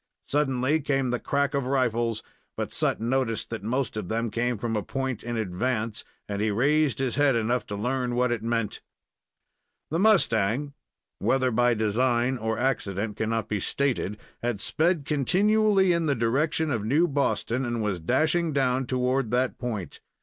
Suddenly came the crack of rifles, but Sut noticed that most of them came from a point in advance, and he raised his head enough to learn what it meant. The mustang (whether by design or accident cannot be stated) had sped continually in the direction of New Boston, and was dashing down toward that point.